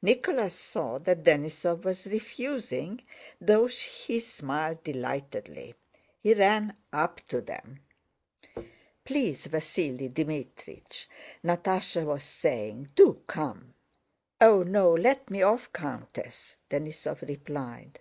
Nicholas saw that Denísov was refusing though he smiled delightedly. He ran up to them. "Please, Vasíli Dmítrich," Natásha was saying, "do come!" "Oh no, let me off, Countess," Denísov replied.